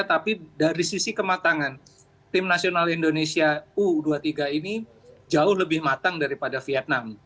tapi dari sisi kematangan tim nasional indonesia u dua puluh tiga ini jauh lebih matang daripada vietnam